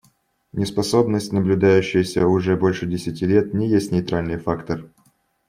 Неспособность, наблюдающаяся уже больше десяти лет, не есть нейтральный фактор.